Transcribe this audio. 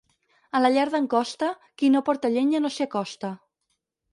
A la llar d'en Costa, qui no porta llenya no s'hi acosta.